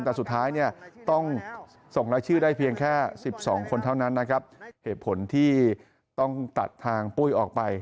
แต่สุดท้ายเนี่ยต้องส่งรายชื่อได้เพียงแค่๑๒คนเท่านั้นนะครับเหตุผลที่ต้องตัดทางปุ้ยออกไป